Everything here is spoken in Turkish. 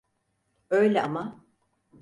Öyle ama.